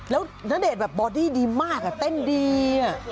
แล้วณเดชน์แบบบอดี้ดีมากเต้นดี